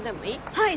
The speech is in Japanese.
はい！